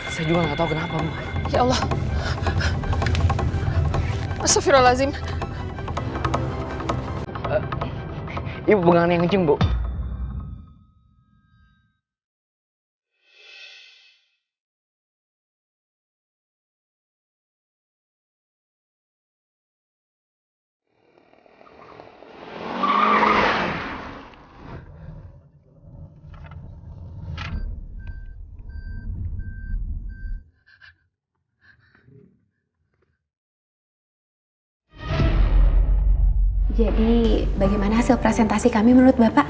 jadi bagaimana hasil presentasi kami menurut bapak